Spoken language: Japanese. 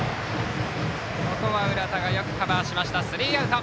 ここは浦田がよくカバーしてスリーアウト。